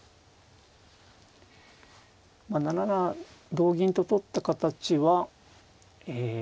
７七同銀と取った形はえ。